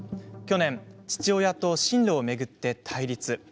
去年、父親と進路を巡って対立。